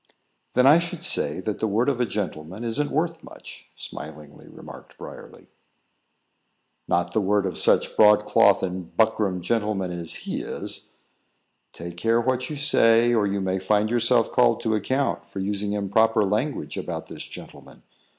"Then I should say that the word of a gentleman isn't worth much," smilingly remarked Briarly. "Not the word of such broadcloth and buckram gentlemen as he is." "Take care what you say, or you may find yourself called to account for using improper language about this gentleman.